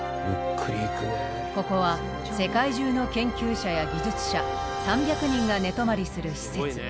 ここは世界中の研究者や技術者３００人が寝泊まりする施設。